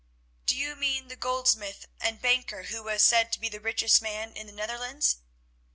"Do you mean the goldsmith and banker who was said to be the richest man in the Netherlands?"